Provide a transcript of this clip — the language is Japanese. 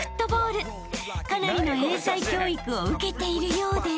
［かなりの英才教育を受けているようで］